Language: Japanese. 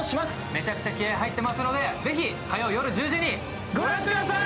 めちゃくちゃ気合い入ってますので、ぜひ火曜、夜１０時に見てください！